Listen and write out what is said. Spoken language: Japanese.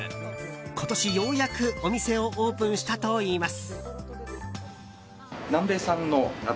今年ようやくお店をオープンしたといいます。